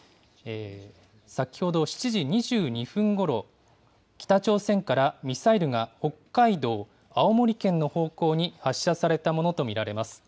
先ほど７時２２分ごろ、北朝鮮からミサイルが北海道、青森県の方向に発射されたものと見られます。